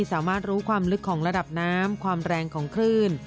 สามารถรู้ความลึกของระดับน้ำความแรงของคลื่น